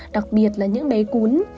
đặc biệt là những bé cún